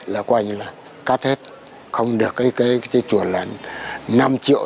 là quanh là cắt hết không được cái chuột là năm triệu